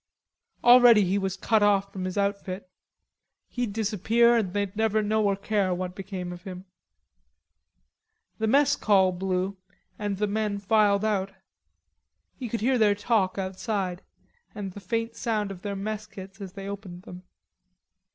Already he was cut off from his outfit. He'd disappear and they'd never know or care what became of him. The mess call blew and the men filed out. He could hear their talk outside, and the sound of their mess kits as they opened them.